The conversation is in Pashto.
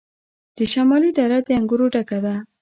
د شمالی دره د انګورو ډکه ده.